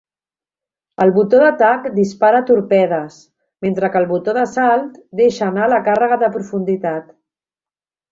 El botó d'atac dispara torpedes, mentre que el botó de salt deixa anar la càrrega de profunditat.